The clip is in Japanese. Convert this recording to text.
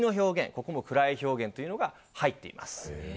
ここもＣＲＹ表現っていうのが入っています